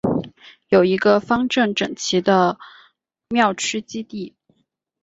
有一个方正整齐的庙区基地。